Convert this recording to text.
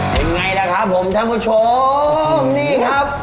เป็นไงล่ะครับผมท่านผู้ชมนี่ครับ